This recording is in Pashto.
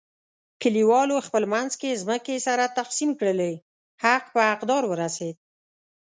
کلیوالو خپل منځ کې ځمکې سره تقسیم کړلې، حق په حق دار ورسیدا.